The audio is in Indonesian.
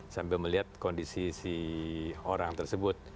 sambil melihat kondisi si orang tersebut